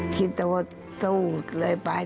คิดว่าธุเลยไป